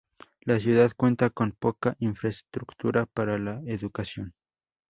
La ciudad cuenta con poca infraestructura para la educación.